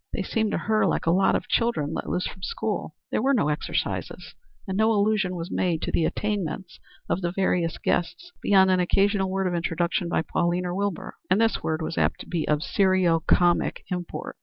They seemed to her like a lot of children let loose from school. There were no exercises, and no allusion was made to the attainments of the various guests beyond an occasional word of introduction by Pauline or Wilbur; and this word was apt to be of serio comic import.